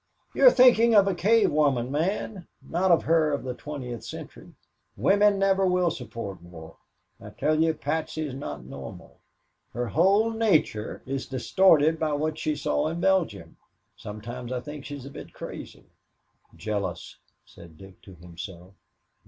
"You are thinking of a cave woman, Man not of her of the twentieth century. Women never will support war. I tell you, Patsy is not normal. Her whole nature is distorted by what she saw in Belgium. Sometimes I think she is a bit crazy." "Jealous," said Dick to himself.